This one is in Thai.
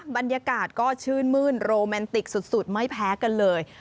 บรรยากาศก็ชื่นมื้นโรแมนติกสุดไม่แพ้กันเลย